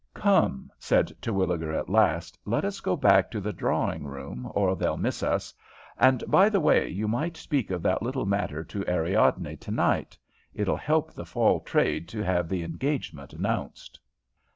"Come," said Terwilliger at last. "Let us go back to the drawing room, or they'll miss us, and, by the way, you might speak of that little matter to Ariadne to night. It'll help the fall trade to have the engagement announced."